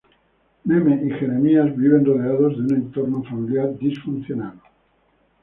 Meme y Jeremías viven rodeados de un entorno familiar disfuncional.